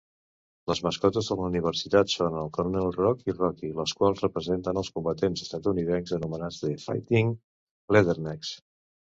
Les mascotes de la universitat són el Coronel Rock i Rocky, les quals representen als combatents estatunidencs anomenats "The Fighting Leathernecks".